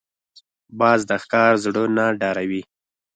باز د ښکار زړه نه ډاروي